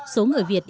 số người việt